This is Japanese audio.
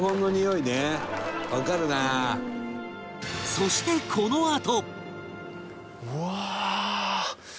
そしてこのあと！